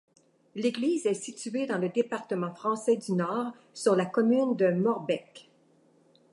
L'église est située dans le département français du Nord, sur la commune de Morbecque.